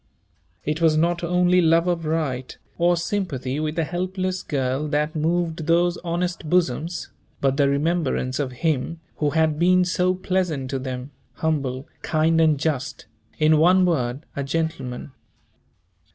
It was not only love of right, or sympathy with a helpless girl, that moved those honest bosoms, but the remembrance of him who had been so pleasant to them, humble, kind and just, in one word, a gentleman.